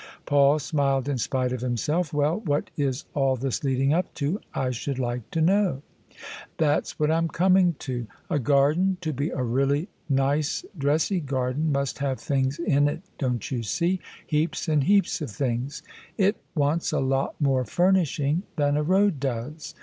Paul smiled in spite of himself. " Well, what is all this leading up to, I should like to know? "" That's what I'm coming to. A garden, to be a really nice dressy garden, must have things in it, don't you see — heaps and heaps of things? It wants a lot more furnishing than a road does.